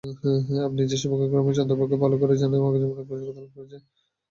আপনি যে সৌভাগ্যক্রমে চন্দ্রবাবুকে ভালো করে জানবার যোগ্যতা লাভ করেছেন এতে আপনি ধন্য।